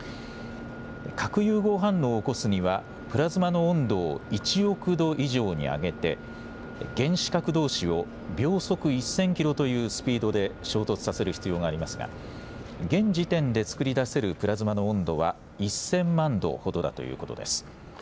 核融合反応を起こすにはプラズマの温度を１億度以上に上げて原子核どうしを秒速１０００キロというスピードで衝突させる必要がありますが現時点で作り出せるプラズマの温度は１０００万度ほどだということです。